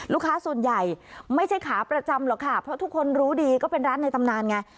ลูกค้าส่วนใหญ่ไม่ใช่ขาประจำหรอกค่ะเพราะทุกคนรู้ดีก็เป็นร้านในตำนานไง